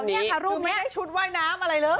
ไม่ใช่ชุดว่ายน้ำอะไรเลย